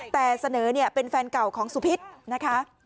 แต่เสนอเป็นแฟนเก่าของสุพิษนะคะ